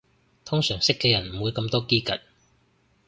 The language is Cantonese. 通常識嘅人唔會咁多嘰趷